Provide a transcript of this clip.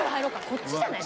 こっちじゃない？